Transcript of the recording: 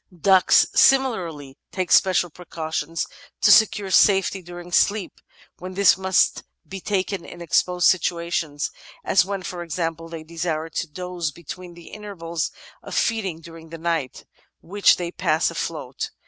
Ducks similarly take special precautions to secure safety during sleep, when this must be taken in exposed situations, as when, for ex ample, they desire to doze between the intervals of feeding during the night, which they pass afloat.